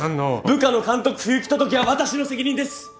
部下の監督不行き届きは私の責任です。